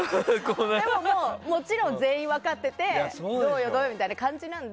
もちろん全員分かっててどうよどうよみたいな感じなんで。